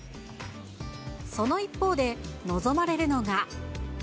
その一方で、望まれるのが。